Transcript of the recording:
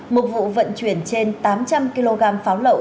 một vụ vận chuyển trên tám trăm linh kg pháo lậu